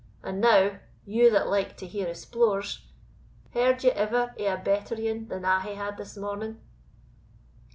And now, you that like to hear o' splores, heard ye ever o' a better ane than I hae had this morning?"